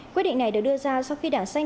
quyết định này được đưa ra sau khi đảng xanh